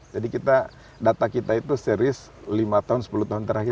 jadi kita data kita itu serius lima tahun sepuluh tahun terakhir